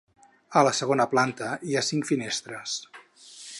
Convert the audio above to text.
A la segona planta hi ha cinc finestres.